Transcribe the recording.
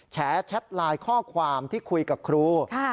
แชทไลน์ข้อความที่คุยกับครู